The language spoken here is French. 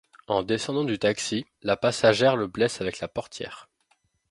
En descendant du taxi, la passagère le blesse avec la portière.